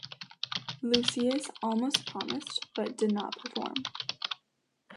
Lucceius almost promised, but did not perform.